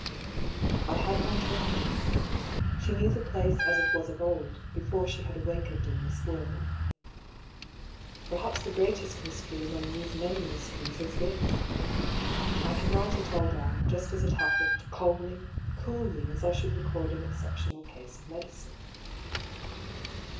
I had my token — she knew the place as it was of old, before she had awakened in this world. Perhaps the greatest mystery among these many mysteries is this — I can write it all down, just as it happened, calmly, coolly, as I should record an excep tional case in medicine.